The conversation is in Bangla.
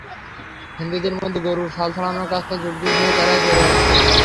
হিন্দুদের মধ্যে গরুর ছাল ছাড়ানোর কাজটা যুগ যুগ ধরে তারাই করে আসছে।